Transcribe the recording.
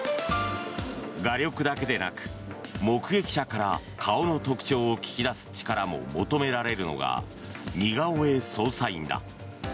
画力だけでなく目撃者から顔の特徴を聞き出す力も求められるのが似顔絵捜査員だ。